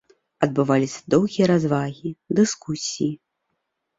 Адбываліся доўгія развагі, дыскусіі.